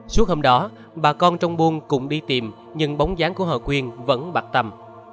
suốt hôm đó bà con trong buôn cũng đi tìm nhưng bóng dáng của hợp huyền vẫn bạc tâm